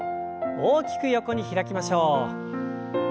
大きく横に開きましょう。